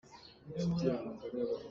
Mah le mah pawrh hi mi a nor.